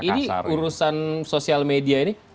ini urusan sosial media ini